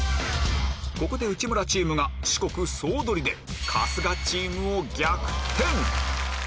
ここで内村チームが四国総取りで春日チームを逆転！